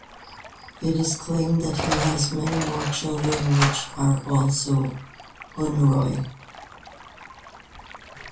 It is claimed that he has many more children, which are also Oneiroi.